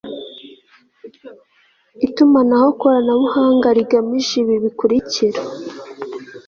itumanaho koranabuhanga rigamije ibi bikurikira